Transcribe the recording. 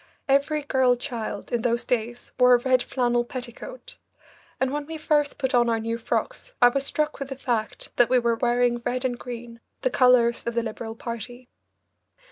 Every girl child in those days wore a red flannel petticoat, and when we first put on our new frocks I was struck with the fact that we were wearing red and green the colours of the Liberal party.